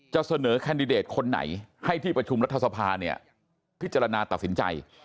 จะเสนอแคนดิเดตคนไหนให้ที่ประชุมรัฐสภาเนี่ยพิจารณาตัดสินใจ